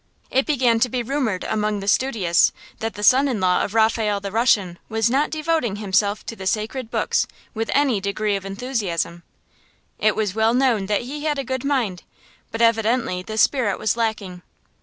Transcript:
It began to be rumored among the studious that the son in law of Raphael the Russian was not devoting himself to the sacred books with any degree of enthusiasm. It was well known that he had a good mind, but evidently the spirit was lacking.